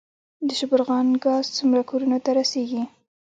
د شبرغان ګاز څومره کورونو ته رسیږي؟